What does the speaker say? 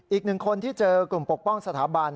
อีกหนึ่งคนที่เจอกลุ่มปกป้องสถาบัน